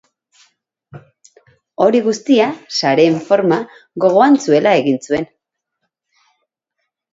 Hori guztia sareen forma gogoan zuela egin zuen.